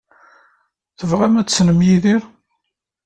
Tebɣam ad tessnem Yidir?